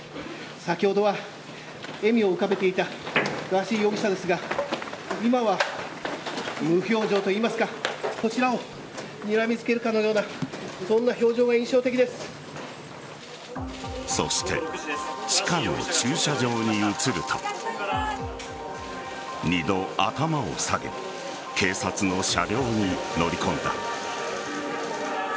先ほどは笑みを浮かべていたガーシー容疑者ですが今は無表情といいますかこちらをにらみつけるかのような表情がそして地下の駐車場に移ると２度、頭を下げ警察の車両に乗り込んだ。